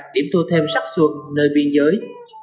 điểm thu thêm sắc xuân nơi biên giới